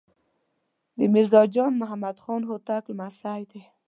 د میرزا جان محمد خان هوتک لمسی دی.